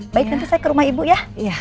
baik nanti saya ke rumah ibu ya